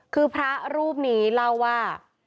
คือพระรูปนี้เล่าว่า